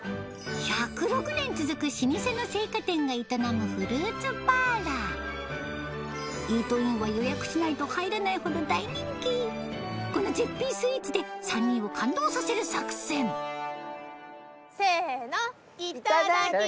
１０６年続く老舗の青果店が営むフルーツパーラーイートインは予約しないと入れないほど大人気この絶品スイーツで３人を感動させる作戦せの。